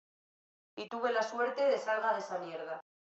Y tuve la suerte de salga de esa mierda.